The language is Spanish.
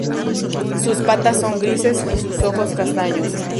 Sus patas son grises y sus ojos castaños.